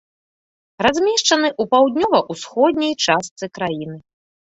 Размешчаны ў паўднёва-ўсходняй частцы краіны.